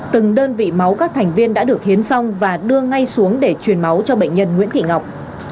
từng đơn vị máu các thành viên đã được hiến xong và đưa ngay xuống để truyền máu cho bệnh nhân nguyễn thị ngọc